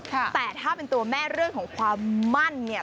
แต่ถ้าเป็นตัวแม่เรื่องของความมั่นเนี่ย